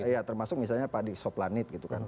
ya termasuk misalnya pak di soplanit gitu kan